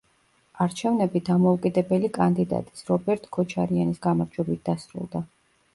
არჩევნები დამოუკიდებელი კანდიდატის, რობერტ ქოჩარიანის გამარჯვებით დასრულდა.